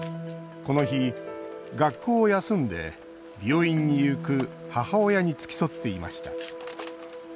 この日、学校を休んで病院に行く母親に付き添っていました。